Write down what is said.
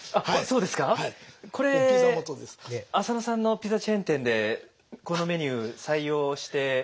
これ淺野さんのピザチェーン店でこのメニュー採用して。